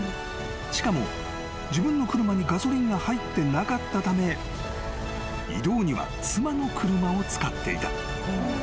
［しかも自分の車にガソリンが入ってなかったため移動には妻の車を使っていた］